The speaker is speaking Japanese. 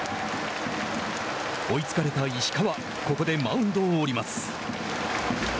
追いつかれた石川ここでマウンドを降ります。